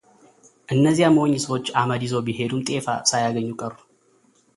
እነዚያ ሞኝ ሰዎች አመድ ይዘው ቢሄዱም ጤፍ ሳያገኙ ቀሩ፡፡